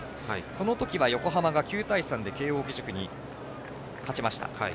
その時は横浜が９対３で慶応義塾に勝ちました。